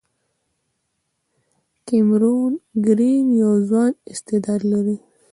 کیمرون ګرین یو ځوان استعداد لري.